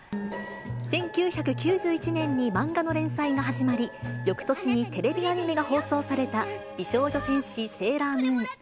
１９９１年に漫画の連載が始まり、翌年にテレビアニメが放送された美少女戦士セーラームーン。